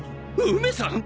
梅さん？